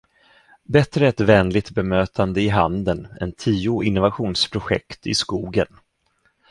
Bättre ett vänligt bemötande i handen än tio innovationsprojekt i skogen.